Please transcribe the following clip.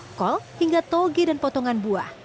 mulai dari kangkung kol hingga togi dan potongan buah